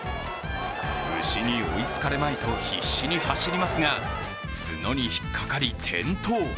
牛に追いつかれまいと必死に走りますが角にひっかかり、転倒。